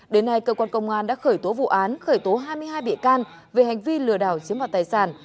đến nay cơ quan công an đã khởi tố vụ án khởi tố hai mươi hai bị can về hành vi lừa đảo chiếm vào tài sản